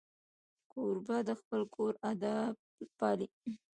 کوربه د خپل کور ادب پالي.